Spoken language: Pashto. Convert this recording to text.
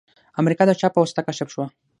امریکا د چا په واسطه کشف شوه؟